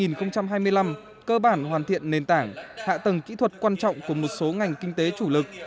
năm hai nghìn hai mươi năm cơ bản hoàn thiện nền tảng hạ tầng kỹ thuật quan trọng của một số ngành kinh tế chủ lực